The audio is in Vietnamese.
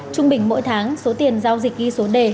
trung bình mỗi tháng số tiền giao dịch ghi số đề